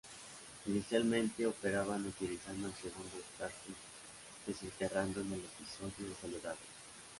Inicialmente operaban utilizando el segundo Stargate desenterrado en el episodio "Soledades".